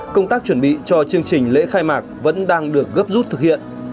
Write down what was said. công tác chuẩn bị cho chương trình lễ khai mạc vẫn đang được gấp rút thực hiện